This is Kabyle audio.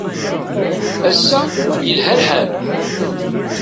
Ass-a yelha lḥal.